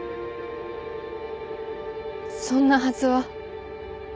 そんなはずは。